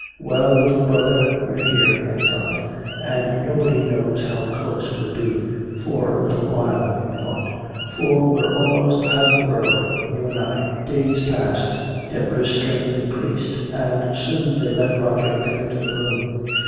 "Well, little brother, you're here, thank God. And nobody knows how close we'll be for a little while," he thought. "For we're almost out of the world, you and I." Days passed, Deborah's strength increased, and soon they let Roger come into the room.